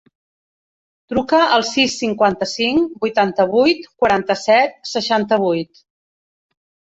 Truca al sis, cinquanta-cinc, vuitanta-vuit, quaranta-set, seixanta-vuit.